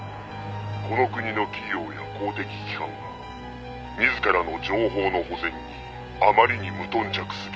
「この国の企業や公的機関は自らの情報の保全にあまりに無頓着すぎる」